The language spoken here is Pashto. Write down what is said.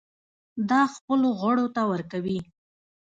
دا خپلو غړو ته ورکوي.